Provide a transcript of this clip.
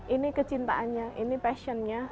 ini kecintaannya ini passionnya